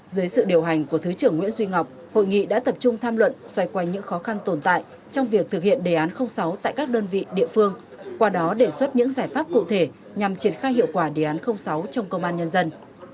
dưới sự điều hành của thứ trưởng nguyễn duy ngọc hội nghị đã tập trung tham luận xoay quanh những khó khăn tồn tại trong việc thực hiện đề án sáu tại các đơn vị địa phương qua đó đề xuất những giải pháp cụ thể nhằm triển khai hiệu quả đề án sáu trong công an nhân dân